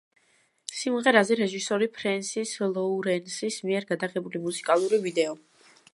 სიმღერაზე რეჟისორი ფრენსის ლოურენსის მიერ გადაღებული მუსიკალური ვიდეო.